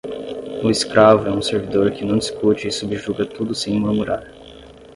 O escravo é um servidor que não discute e subjuga tudo sem murmurar.